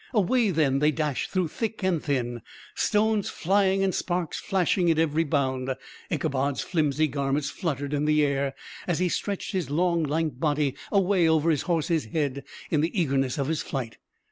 Away, then, they dashed through thick and thin; stones flying and sparks flashing at every bound. Ichabod's flimsy garments fluttered in the air, as he stretched his long lank body away over his horse's head, in the eagerness of his flight.